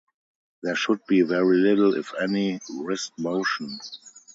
There should be very little, if any, wrist motion.